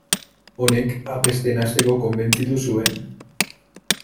Honek abesten hasteko konbentzitu zuen.